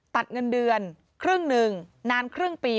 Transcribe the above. ตัดเงินเดือนครึ่งหนึ่งนานครึ่งปี